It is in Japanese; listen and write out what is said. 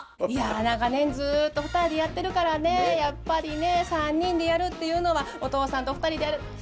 いや長年ずっと２人でやってるからねやっぱりね３人でやるっていうのはお父さんと２人でやる。